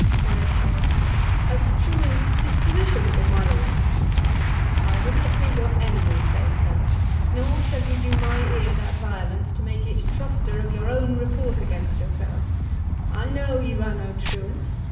HORATIO. A truant disposition, good my lord. HAMLET. I would not hear your enemy say so; Nor shall you do my ear that violence, To make it truster of your own report Against yourself. I know you are no truant.